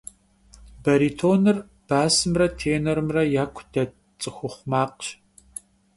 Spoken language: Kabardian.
Баритоныр басымрэ тенорымрэ яку дэт цӏыхухъу макъщ.